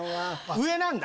上なんだ。